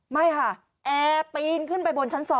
ไม่ค่ะแอร์ปีนขึ้นไปบนชั้น๒